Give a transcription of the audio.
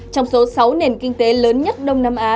trong số sáu nền kinh tế lớn nhất đông nam á